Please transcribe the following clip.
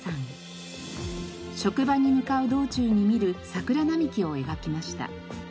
職場に向かう道中に見る桜並木を描きました。